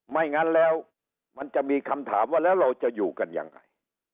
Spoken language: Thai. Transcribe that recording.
ไม่งั้นแล้วมันจะมีคำถามว่าแล้วเราจะอยู่กันยังไง